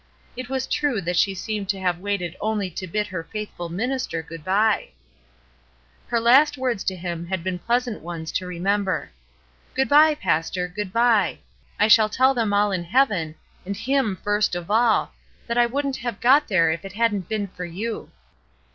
It was true that she seemed to have waited only to bid her faithful minister good by. 338 ESTER RIED'S NAMESAKE Her last words to him had been pleasant ones to remember. "Good by, pastor, good by; I shall tell them all in heaven, and Him first of all, that I wouldn't have got there if it hadn't been for you."